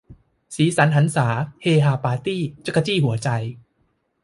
สีสันหรรษา เฮฮาปาร์ตี้ จั๊กจี้หัวใจ